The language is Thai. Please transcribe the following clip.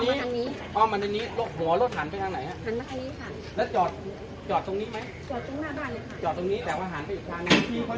หันไปทางไหนฮะหันมาทางนี้ค่ะแล้วจอจอตรงนี้ไหมจอทรงหน้าบ้าน